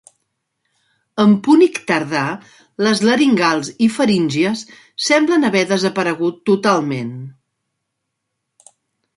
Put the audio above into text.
En púnic tardà, les laringals i faríngies semblen haver desaparegut totalment.